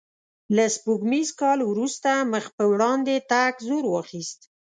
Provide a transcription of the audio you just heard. له سپوږمیز کال وروسته مخ په وړاندې تګ زور واخیست.